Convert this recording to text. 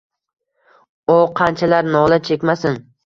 O qanchalar nola chekmasin